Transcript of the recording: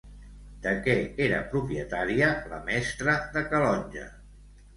De què era propietària la mestra de Calonge?